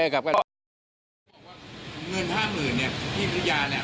เงินห้าหมื่นเนี้ยที่ผู้ยานแหละเออคือไม่ได้เอามาคืนให้ในจังหาภัณฑ์